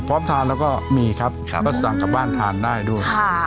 พร้อมทานแล้วก็มีครับก็สั่งกลับบ้านทานได้ด้วย